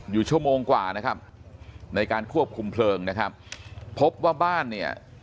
อยู่ชั่วโมงกว่านะครับในการควบคุมเพลิงนะครับพบว่าบ้านเนี่ย